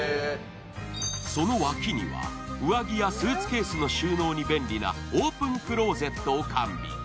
その脇には上着やスーツケースの収納に便利なオープンクローゼットを完備。